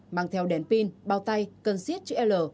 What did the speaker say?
mang theo đèn pin bao tay cần siết chữ l